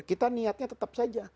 kita niatnya tetap saja